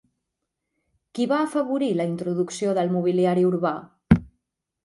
Qui va afavorir la introducció del mobiliari urbà?